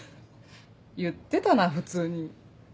言ってたな普通に。